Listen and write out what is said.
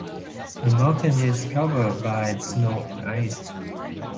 The mountain is covered by snow and ice.